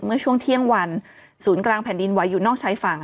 เมื่อช่วงเที่ยงวันศูนย์กลางแผ่นดินไหวอยู่นอกชายฝั่ง